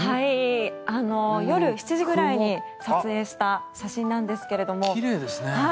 夜７時ぐらいに撮影した写真なんですけれども。